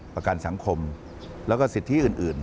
ประกันสังคมแล้วก็สิทธิอื่น